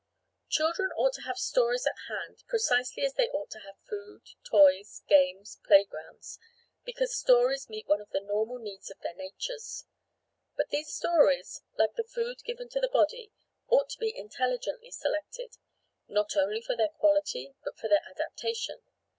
Children ought to have stories at hand precisely as they ought to have food, toys, games, playgrounds, because stories meet one of the normal needs of their natures. But these stories, like the food given to the body, ought to be intelligently selected, not only for their quality but for their adaptation.